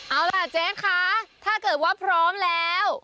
เอาล่ะเจ๊คะถ้าเกิดว่าพร้อมแล้ว